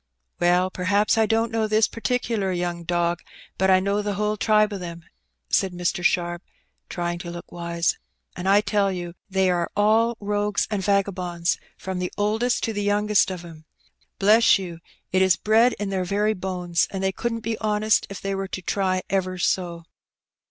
" Well, perliaps I don't know this particular young dog, but T know the whole tribe of them," said Mr. Sharp, fay ing to look wise, "and I tell yon they are all rogues and TagaboudB, from the oldest to the youngest of 'em. Bless you, it is bred in their very bones, and they couldn't be honest if they were to try ever so."